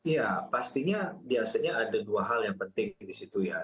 ya pastinya biasanya ada dua hal yang penting di situ ya